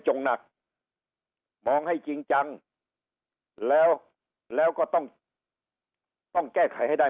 งหนักมองให้จริงจังแล้วแล้วก็ต้องต้องแก้ไขให้ได้